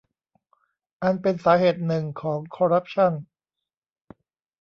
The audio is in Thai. อันเป็นสาเหตุหนึ่งของคอร์รัปชั่น